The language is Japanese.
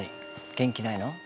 元気ないの？